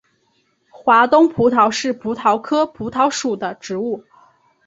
华东葡萄是葡萄科葡萄属的植物。